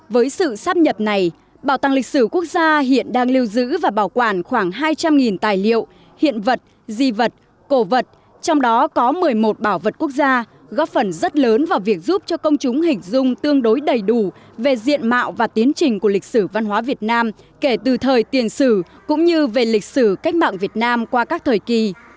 với sự sắp nhập này bảo tàng lịch sử quốc gia hiện đang lưu giữ và bảo quản khoảng hai trăm linh tài liệu hiện vật di vật cổ vật trong đó có một mươi một bảo vật quốc gia góp phần rất lớn vào việc giúp cho công chúng hình dung tương đối đầy đủ về diện mạo và tiến trình của lịch sử văn hóa việt nam kể từ thời tiền sử cũng như về lịch sử cách mạng việt nam qua các thời kỳ